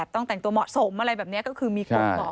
ต้องแต่งตัวเหมาะสมอะไรแบบนี้